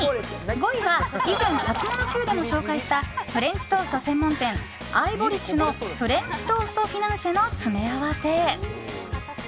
５位は以前、ハツモノＱでも紹介したフレンチトースト専門店Ｉｖｏｒｉｓｈのフレンチトーストフィナンシェの詰め合わせ。